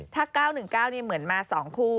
ถ้า๙๑๙นี่เหมือนมา๒คู่